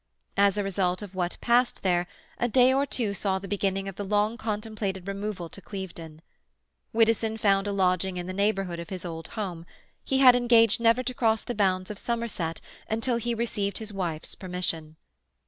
As a result of what passed there, a day or two saw the beginning of the long contemplated removal to Clevedon. Widdowson found a lodging in the neighbourhood of his old home; he had engaged never to cross the bounds of Somerset until he received his wife's permission.